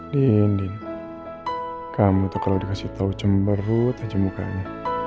dindin kamu tuh kalau dikasih tau cemberut aja mukanya